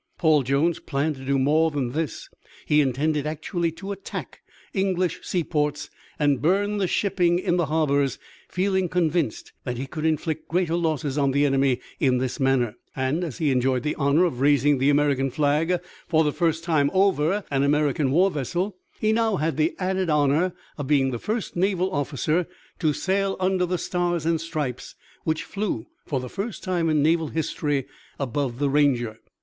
Paul Jones planned to do more than this; he intended actually to attack English seaports and burn the shipping in the harbors, feeling convinced that he could inflict greater losses on the enemy in this manner. And as he had enjoyed the honor of raising the American flag for the first time over an American war vessel, he now had the added honor of being the first naval officer to sail under the stars and stripes, which flew for the first time in naval history above the Ranger.